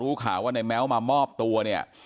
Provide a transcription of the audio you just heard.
ข่าวว่าในแม้วมามอบตัวเนี่ย